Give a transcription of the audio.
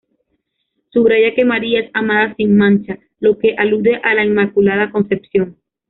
Subraya que María "es amada sin mancha"; lo que alude a la Inmaculada Concepción.